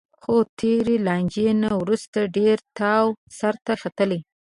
خو د تېرې لانجې نه وروسته ډېر تاو سرته ختلی